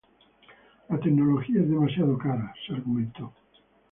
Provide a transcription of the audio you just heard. La tecnología es demasiado cara, se argumentó.